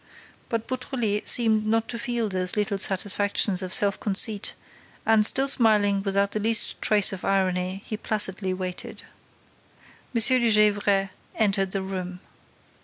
But Beautrelet seemed not to feel those little satisfactions of self conceit and, still smiling without the least trace of irony, he placidly waited. M. de Gesvres entered the room.